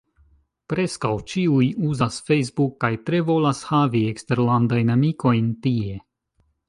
Preskaŭ ĉiuj uzas Facebook, kaj tre volas havi eksterlandajn amikojn tie.